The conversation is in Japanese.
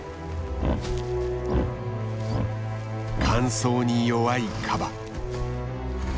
乾燥に弱いカバ。